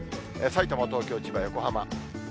さいたま、東京、千葉、横浜。